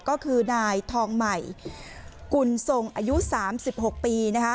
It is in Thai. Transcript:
ก็คือนายทองใหม่กุลทรงอายุสามสิบหกปีนะคะ